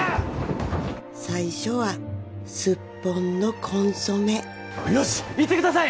最初はスッポンのコンソメよし行ってください